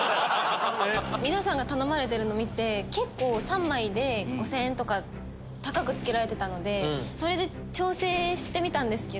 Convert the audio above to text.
皆さんが頼まれてるの見て３枚で５０００円とか高く付けられてたのでそれで調整してみたんですけど。